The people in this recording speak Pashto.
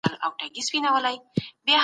آیا حکومت د زکات راټولولو حق لري؟